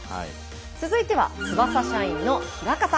続いては翼社員の枚方。